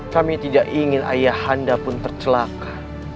kami tidak ingin ayahanda pun tercelaka